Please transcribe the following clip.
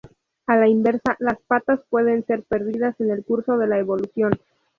A la inversa, las patas pueden ser perdidas en el curso de la evolución.